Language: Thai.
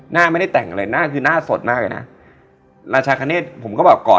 หน้าเซ็นสดมากยังไงนะราชากะเนสผมก็บอก